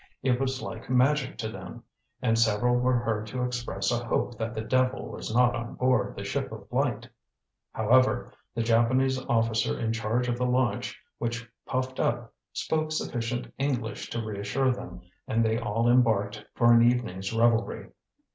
It was like magic to them, and several were heard to express a hope that the devil was not on board the ship of light. However, the Japanese officer in charge of the launch which puffed up spoke sufficient English to reassure them, and they all embarked for an evening's revelry.